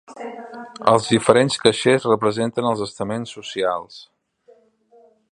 Els diferents caixers representen els estaments socials.